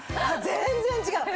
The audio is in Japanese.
全然違う！